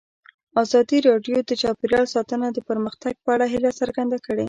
ازادي راډیو د چاپیریال ساتنه د پرمختګ په اړه هیله څرګنده کړې.